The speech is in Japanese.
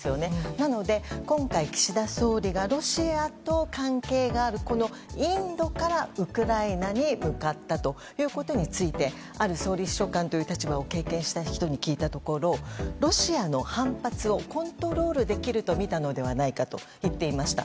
なので今回、岸田総理がロシアと関係があるこのインドからウクライナに向かったということについてある総理秘書官という立場を経験した人によるとロシアの反発をコントロールできるのではないかとみたと言っていました。